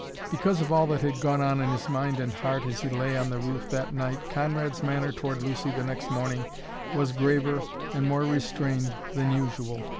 Because of all that had gone on in his mind and heart as he lay on the roof that night Conrad's manner toward Lucy the next morning was graver and more restrained than usual.